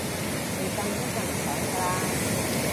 地震都震唔醒㗎喇